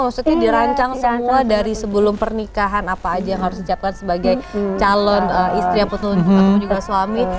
maksudnya dirancang semua dari sebelum pernikahan apa aja yang harus dicapkan sebagai calon istri ataupun juga suami